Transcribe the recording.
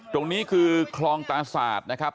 ตรงนี้คือคลองตาสาดนะครับ